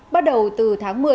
bắt đầu từ tháng một mươi